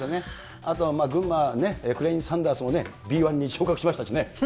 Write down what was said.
あとはまあ、群馬、サンダースもＢ１に昇格しましたしね。